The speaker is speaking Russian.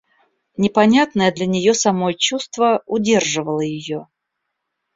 Непонятное для нее самой чувство удерживало ее.